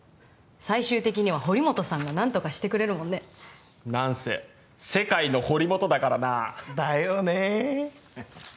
最終的には堀本さんが何とかしてくれるもんね何せ世界の堀本だからなだよね